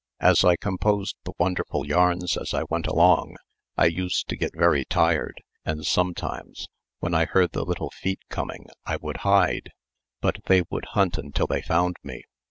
As I composed the wonderful yarns as I went along, I used to get very tired, and sometimes, when I heard the little feet coming, I would hide, but they would hunt until they found me.